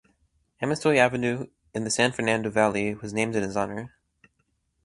Amestoy Avenue in the San Fernando Valley was named in his honor.